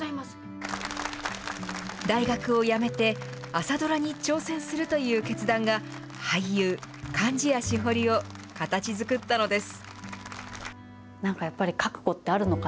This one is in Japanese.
大学を辞めて朝ドラに挑戦するという決断が、俳優、貫地谷しほりを形作ったのです。